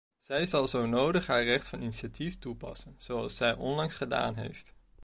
Zij zal zo nodig haar recht van initiatief toepassen, zoals zij onlangs gedaan heeft.